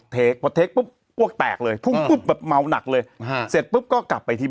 เทคพอเทคปุ๊บปุ๊บแตกเลยแบบเมาหนักเลยอ่าฮะเสร็จปุ๊บก็กลับไปที่